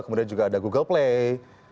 kemudian juga ada google play